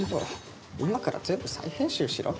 今から全部再編集しろ？